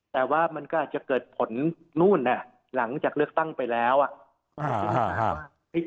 แต่ว่ามันก็อาจจะเกิดผลนู่นหลังจากเลือกตั้งไปแล้วอ่ะ